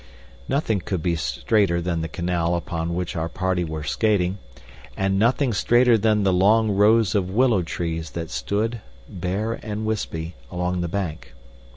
Nothing could be straighter than the canal upon which our party were skating, and nothing straighter than the long rows of willow trees that stood, bare and wispy, along the bank.